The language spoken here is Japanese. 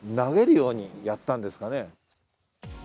投げるようにやったんですかね？